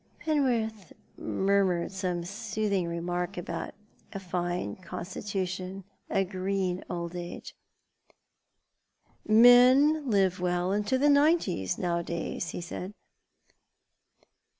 Penrith murmured some soothiug remark about a fine constitution, a green old age. " Men live well into the nineties nowadays," he said.